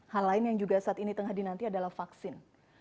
hal lain yang juga saat ini tengah dinanti adalah vaksin